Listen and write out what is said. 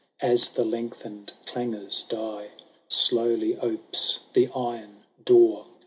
As the lengthened clangours die, Slowly opes the iron door